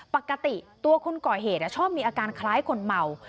ปกติตัวคนก่อเหตุชอบมีอาการคล้ายคนเมา